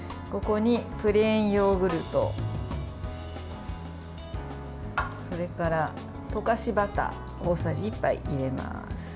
ここにプレーンヨーグルトそれから、溶かしバターを大さじ１杯入れます。